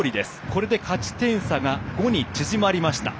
これで勝ち点差が５に縮まりました。